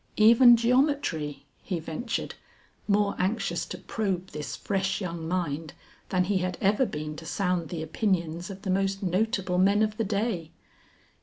"Even geometry," he ventured, more anxious to probe this fresh young mind than he had ever been to sound the opinions of the most notable men of the day.